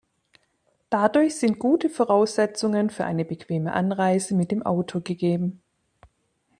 Dadurch sind gute Voraussetzungen für eine bequeme Anreise mit dem Auto gegeben.